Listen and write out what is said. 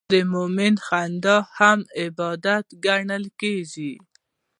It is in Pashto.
د مؤمن خندا هم عبادت ګڼل کېږي.